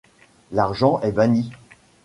L'argent est banni.